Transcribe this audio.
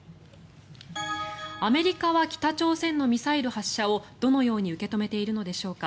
アメリカは北朝鮮のミサイル発射をどのように受け止めているのでしょうか。